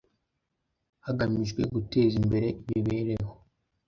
hagamijwe guteza imbere imibereho